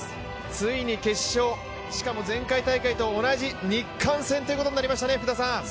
ついに決勝、しかも前回大会と同じ日韓戦ということになりましたね。